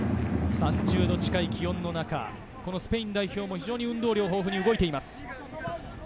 ３０度近い気温の中、スペイン代表も運動量豊富に動いています。